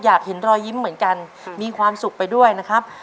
อยากเห็นรอยยิ้มเหมือนกันมีความสุขไปด้วยนะครับ